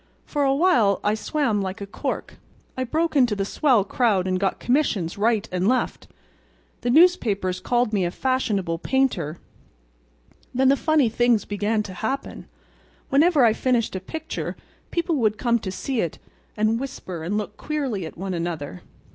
For a while I swam like a cork. I broke into the swell crowd and got commissions right and left. The newspapers called me a fashionable painter. Then the funny things began to happen. Whenever I finished a picture people would come to see it, and whisper and look queerly at one another."